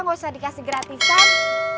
gak usah dikasih gratisan